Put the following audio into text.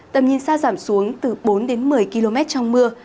tầm nhìn xa giảm xuống từ bốn đến một mươi km trong mưa